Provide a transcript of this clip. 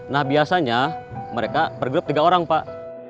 nah biasanya mereka bergrup tiga orang pak